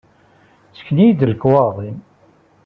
Ssken-iyi-d lekwaɣeḍ-im!